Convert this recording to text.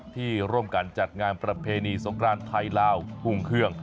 ที่ร่วมกันจัดงานภรรพสมครรณไทยลาวหุ่งเคือง